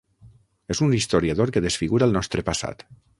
És un historiador que desfigura el nostre passat.